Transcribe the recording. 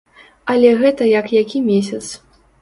Але гэта як які месяц.